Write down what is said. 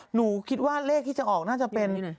หนูคิดว่าเลขที่จะออกน่าจะเป็น